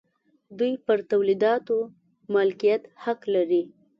دوی پر تولیداتو مالکیت حق لري.